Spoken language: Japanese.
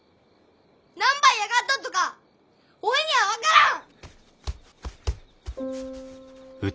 何ば嫌がっとっとかおいには分からん！